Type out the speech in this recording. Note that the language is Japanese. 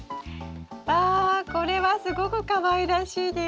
わこれはすごくかわいらしいです。